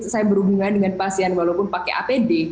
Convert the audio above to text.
saya berhubungan dengan pasien walaupun pakai apd